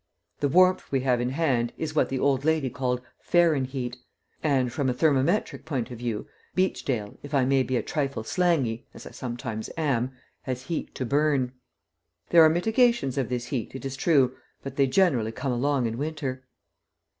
The warmth we have in hand is what the old lady called "Fahrenheat," and, from a thermometric point of view, Beachdale, if I may be a trifle slangy, as I sometimes am, has heat to burn. There are mitigations of this heat, it is true, but they generally come along in winter.